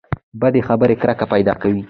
بدې خبرې کرکه پیدا کوي.